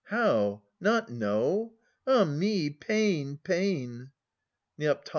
How? Not know? Ah me! Pain, pain! Neo.